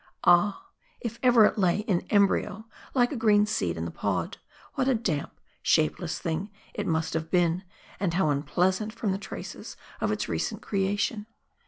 Ah ! if ever it lay in em bryo like a green seed in the pod, what a damp, shapeless thing it must have been, and how unpleasant from the traces of its recent creation.